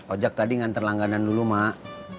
ojak tadi ngantri langganan dulu mak